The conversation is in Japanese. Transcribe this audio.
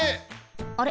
あれ？